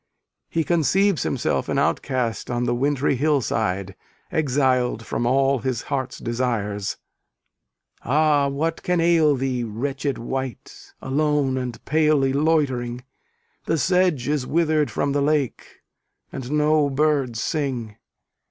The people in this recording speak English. He conceives himself an outcast on the wintry hillside, exiled from all his heart's desires. Ah, what can ail thee, wretched wight, Alone and palely loitering? The sedge is wither'd from the lake, And no birds sing.